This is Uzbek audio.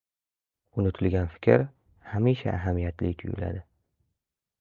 — Unutilgan fikr hamisha ahamiyatli tuyuladi.